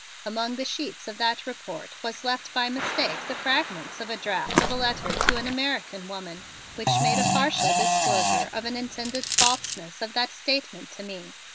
among the sheets of that report was left by mistake the fragments of a draft of a letter to an American woman, which made a partial disclosure of an intended falseness of that statement to me.